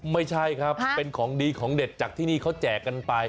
ไม่ใช่ครับเป็นของดีของเด็ดจากที่นี่เขาแจกกันไป